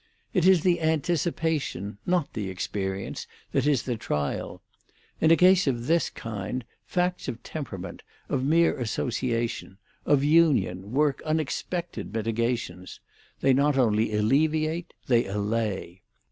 It is the anticipation, not the experience, that is the trial. In a case of this kind, facts of temperament, of mere association, of union, work unexpected mitigations; they not only alleviate, they allay.